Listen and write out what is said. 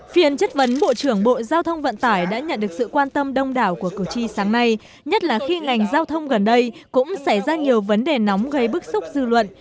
phiên chất vấn bộ trưởng bộ giao thông vận tải đã nhận được sự quan tâm đông đảo của cử tri sáng nay nhất là khi ngành giao thông gần đây cũng xảy ra nhiều vấn đề nóng gây bức xúc dư luận